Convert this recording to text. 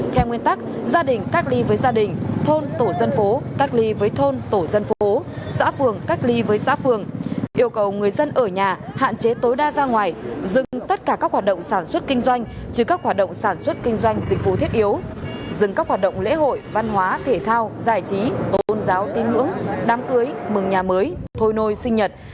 theo nguyên tắc gia đình cách ly với gia đình thôn tổ dân phố cách ly với thôn tổ dân phố xã phường cách ly với xã phường yêu cầu người dân ở nhà hạn chế tối đa ra ngoài dừng tất cả các hoạt động sản xuất kinh doanh chứ các hoạt động sản xuất kinh doanh dịch vụ thiết yếu dừng các hoạt động lễ hội văn hóa thể thao giải trí tôn giáo tin ngưỡng đám cưới mừng nhà mới thôi nôi sinh nhật